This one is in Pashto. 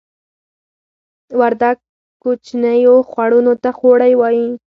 وردګ کوچنیو خوړونو ته خوړۍ وایې